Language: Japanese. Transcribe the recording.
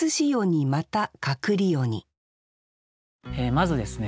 まずですね